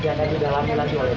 bukan ada di dalamnya lagi